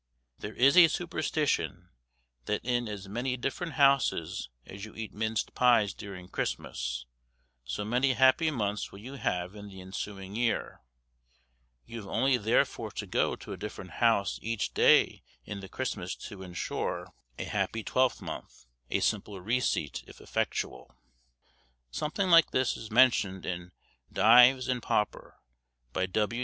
There is a superstition that in as many different houses as you eat minced pies during Christmas, so many happy months will you have in the ensuing year; you have only therefore to go to a different house each day in the Christmas to ensure a happy twelvemonth, a simple receipt, if effectual. Something like this is mentioned in 'Dives and Pauper,' by W.